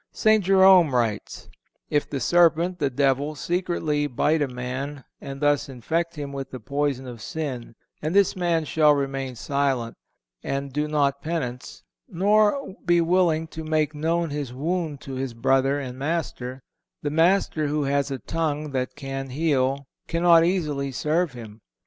(453) St. Jerome writes: "If the serpent, the devil, secretly bite a man and thus infect him with the poison of sin, and this man shall remain silent, and do not penance, nor be willing to make known his wound to his brother and master; the master, who has a tongue that can heal, cannot easily serve him.